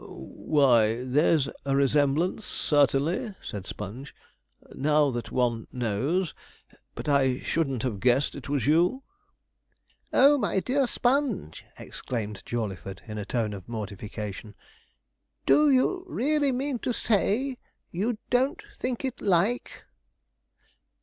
'Why, there's a resemblance, certainly,' said Sponge, 'now that one knows. But I shouldn't have guessed it was you.' 'Oh, my dear Mr. Sponge!' exclaimed Jawleyford, in a tone of mortification, 'Do you really mean to say you don't think it like?'